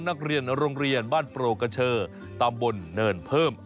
นักเรียนโรงเรียนบ้านโปรกระเชอตำบลเนินเพิ่ม